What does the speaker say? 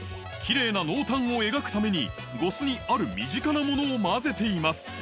きれいな濃淡を描くために、呉須にある身近なものを混ぜています。